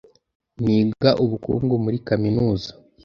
Niga ubukungu muri kaminuza.